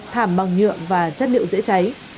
thảm bằng nhựa và chất liệu chữa cháy